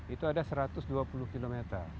itu ada satu ratus dua puluh km